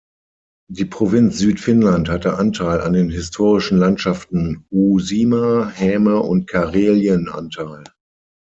Die Provinz Südfinnland hatte Anteil an den historischen Landschaften Uusimaa, Häme und Karelien Anteil.